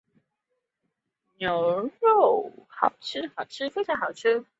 海吉克斯是位于美国亚利桑那州皮纳尔县的一个非建制地区。